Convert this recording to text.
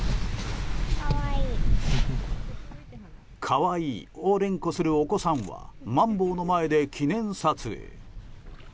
可愛いを連呼するお子さんはマンボウの前で記念撮影。